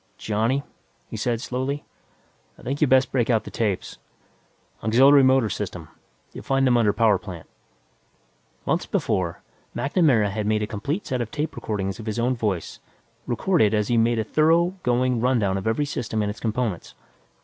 "Johnny," he said slowly, "I think you'd best break out the tapes. Auxiliary motor system; you'll find them under power plant." Months before, MacNamara had made a complete set of tape recordings of his own voice, recorded as he made a thorough going rundown of every system and its components.